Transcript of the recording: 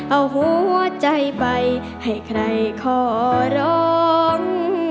เอาหัวใจไปให้ใครขอร้อง